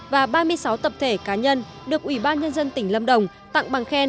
và ba mươi sáu tập thể cá nhân được ủy ban nhân dân tỉnh lâm đồng tặng bằng khen